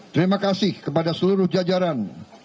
terima kasih kepada seluruh jajaran